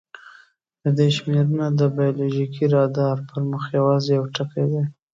د دې شمېرنه د بایولوژیکي رادار پر مخ یواځې یو ټکی دی.